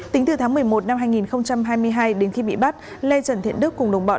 tính từ tháng một mươi một năm hai nghìn hai mươi hai đến khi bị bắt lê trần thiện đức cùng đồng bọn